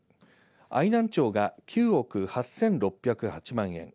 愛南町が９億８６０８万円